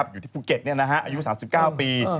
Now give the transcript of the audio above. อยู่ที่ภูเก็ตอายุ๓๙ปี